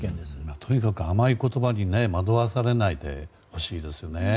とにかく甘い言葉に惑わされないでほしいですね。